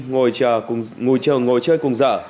ngồi chờ ngồi chơi cùng dở